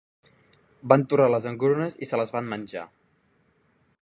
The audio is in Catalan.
Van torrar les engrunes i se les van menjar.